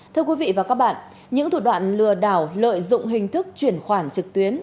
thưa quý vị và các bạn những thủ đoạn lừa đảo lợi dụng hình thức chuyển khoản trực tuyến